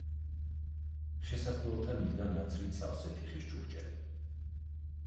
შესასვლელთან იდგა ნაცრით სავსე თიხის ჭურჭელი.